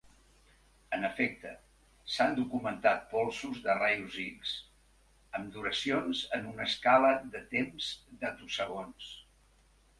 En efecte, s'han documentat polsos de rajos x amb duracions en una escala de temps d'attosegons.